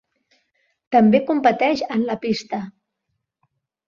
També competeix en la pista.